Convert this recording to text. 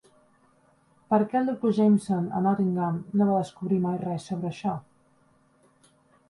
Per què el Dr. Jameson, a Nottingham, no va descobrir mai res sobre això?